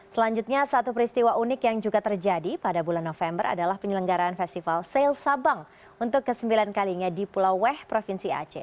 selanjutnya satu peristiwa unik yang juga terjadi pada bulan november adalah penyelenggaran festival sale sabang untuk ke sembilan kalinya di pulau weh provinsi aceh